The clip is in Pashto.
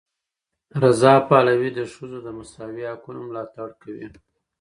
رضا پهلوي د ښځو د مساوي حقونو ملاتړ کوي.